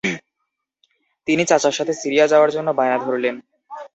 তিনি চাচার সাথে সিরিয়া যাওয়ার জন্য বায়না ধরলেন।